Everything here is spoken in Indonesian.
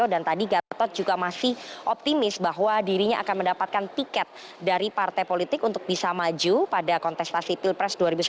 tadi gatot juga masih optimis bahwa dirinya akan mendapatkan tiket dari partai politik untuk bisa maju pada kontestasi pilpres dua ribu sembilan belas